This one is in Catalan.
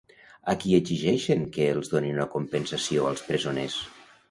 A qui exigeixen que els donin una compensació als presoners?